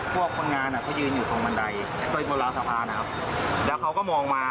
คนงานอ่ะเขายืนอยู่ตรงบันไดตรงบนราวสะพานนะครับแล้วเขาก็มองมา